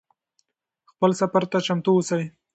خپل سفر ته چمتو اوسئ.